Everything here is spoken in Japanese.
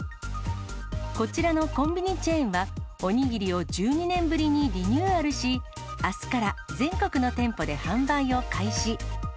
こちらのコンビニチェーンは、おにぎりを１２年ぶりにリニューアルし、あすから全国の店舗で販売を開始。